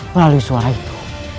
melalui suara itu